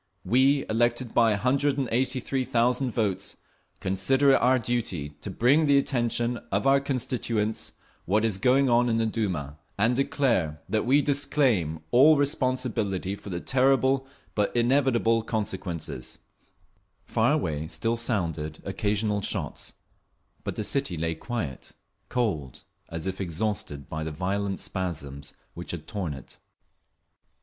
We, elected by 183,000 votes, consider it our duty to bring to the attention of our constituents what is going on in the Duma, and declare that we disclaim all responsibility for the terrible but inevitable consequences…. Far away still sounded occasional shots, but the city lay quiet, cold, as if exhausted by the violent spasms which had torn it.